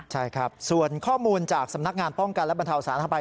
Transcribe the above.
ใช่ครับส่วนข้อมูลจากสำนักงานป้องกันและบรรเทาสาธารณภัย